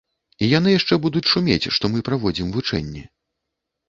І яны яшчэ будуць шумець, што мы праводзім вучэнні.